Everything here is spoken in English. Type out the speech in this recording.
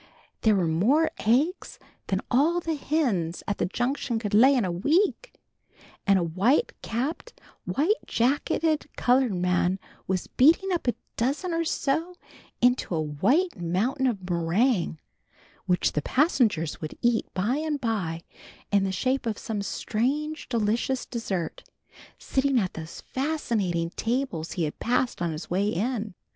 There were more eggs than all the hens at the Junction could lay in a week, and a white capped, white jacketed colored man was beating up a dozen or so into a white mountain of meringue, which the passengers would eat by and by in the shape of some strange, delicious dessert, sitting at those fascinating tables he had passed on his way in.